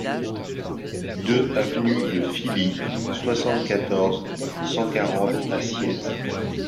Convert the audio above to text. deux avenue de Filly, soixante-quatorze, cent quarante à Sciez